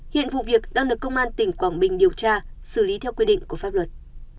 hiện vụ việc đang được công an tỉnh quảng bình điều tra xử lý theo quy định của pháp luật